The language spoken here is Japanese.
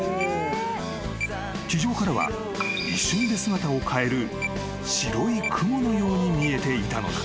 ［地上からは一瞬で姿を変える白い雲のように見えていたのだ］